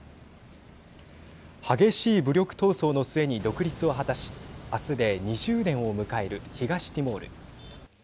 激しい武力闘争の末に独立を果たしあすで２０年を迎える東ティモール。